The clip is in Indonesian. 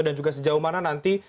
dan juga sejauh mana nanti